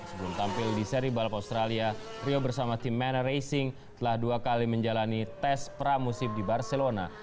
sebelum tampil di seri balap australia rio bersama tim manor racing telah dua kali menjalani tes pramusim di barcelona